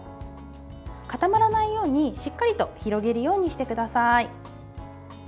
固まらないようにしっかりと広げるようにしてください。